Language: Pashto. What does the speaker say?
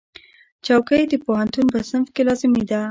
چوکۍ د پوهنتون په صنف کې لازمي ده.